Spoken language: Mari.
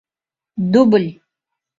Дубль!